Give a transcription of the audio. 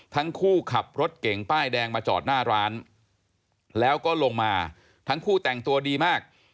ทั้งคู่ขับรถเก่งป้ายแดงมาจอดหน้าร้านแล้วก็ลงมาทั้งคู่แต่งตัวดีมาก